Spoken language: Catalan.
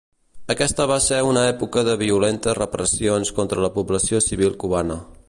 Aquesta va ser una època de violentes repressions contra la població civil cubana.